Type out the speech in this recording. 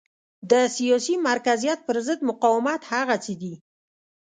د سیاسي مرکزیت پرضد مقاومت هغه څه دي.